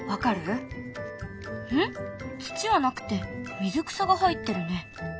土はなくて水草が入ってるね。